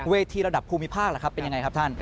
เวทีระดับภูมิภาคเป็นอย่างไรครับท่าน